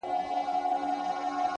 له ما پـرته وبـــل چــــــاتــــــه ـ